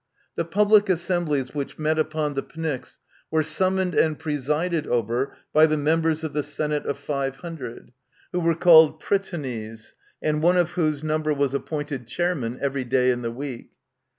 The public assemblies which met upon the Pnyx were sum moned and presided over by the members of the Senate of Five Hundred, who were called Prytanies, and one of whose number was appointed chairman every day in the week.